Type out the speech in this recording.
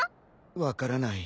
分からない。